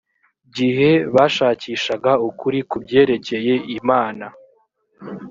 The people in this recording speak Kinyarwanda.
gihe bashakishaga ukuri ku byerekeye imana